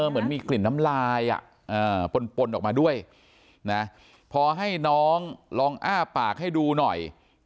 เหมือนมีกลิ่นน้ำลายปนออกมาด้วยนะพอให้น้องลองอ้าปากให้ดูหน่อย